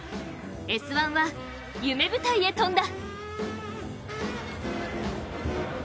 「Ｓ☆１」は、夢舞台へ飛んだ。